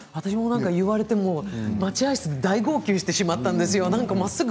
言われて待合室で大号泣してしまったんですよ。